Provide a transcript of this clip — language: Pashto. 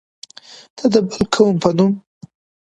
نه د بل قوم په نوم.